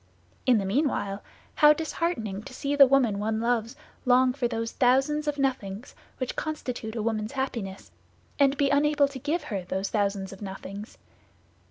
In the meanwhile, how disheartening to see the woman one loves long for those thousands of nothings which constitute a woman's happiness, and be unable to give her those thousands of nothings.